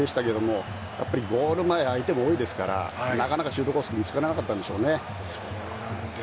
ゴール前、相手も多いですからなかなかシュートコースが見つからなかったんでしょうね。